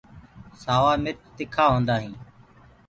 سوآ مرچ تِکآ هوندآ هينٚ۔